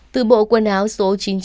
từ bộ quân áo số chín mươi chín